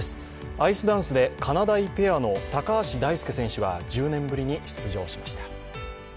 アイスダンスでかなだいペアの高橋大輔選手が１０年ぶりに出場しました。